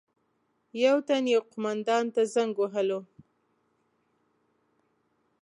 یو تن یو قومندان ته زنګ وهلو.